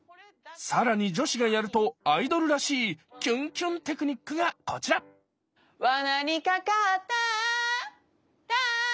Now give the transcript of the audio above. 更に女子がやるとアイドルらしいキュンキュンテクニックがこちらわなにかかったあったあっ